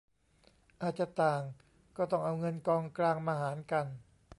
อาจจะต่างก็ต้องเอาเงินกองกลางมาหารกัน